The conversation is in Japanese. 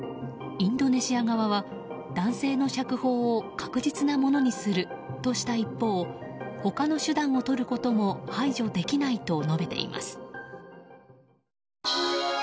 インドネシア側は男性の釈放を確実なものにするとした一方他の手段をとることも排除できないと述べています。